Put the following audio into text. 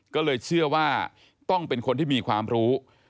ก็เลยเชื่อว่าต้องเป็นคนที่มีความรู้